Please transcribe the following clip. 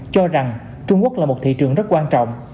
cho rằng trung quốc là một thị trường rất quan trọng